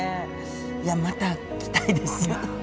いやまた来たいです。